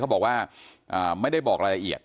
บอกว่าไม่ได้บอกรายละเอียด